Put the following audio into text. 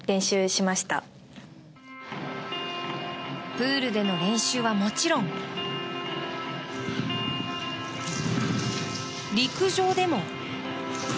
プールでの練習はもちろん、陸上でも。